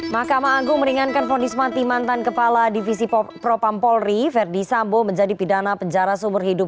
mahkamah agung meringankan fondismati mantan kepala divisi propampolri verdi sambo menjadi pidana penjara seumur hidup